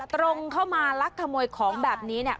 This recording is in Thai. ตรงเข้ามาลักขโมยของแบบนี้เนี่ย